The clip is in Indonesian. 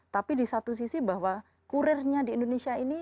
tapi di satu sisi bahwa kurirnya di indonesia ini